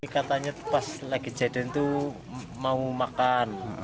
katanya pas lagi jadian itu mau makan